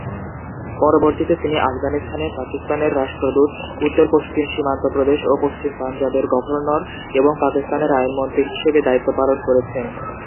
পরবর্তীতে তিনি আফগানিস্তানে পাকিস্তানের রাষ্ট্রদূত, উত্তর-পশ্চিম সীমান্ত প্রদেশ ও পশ্চিম পাঞ্জাবের গভর্নর এবং পাকিস্তানের আইনমন্ত্রী হিসেবে দায়িত্ব পালন করেছেন।